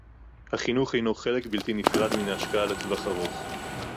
החינוך הינו חלק בלתי נפרד מן ההשקעה לטווח ארוך